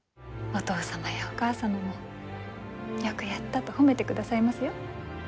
お義父様やお義母様も「よくやった」と褒めてくださいますよ。